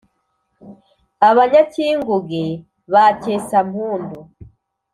abanyacyinguge ba cyesampundu.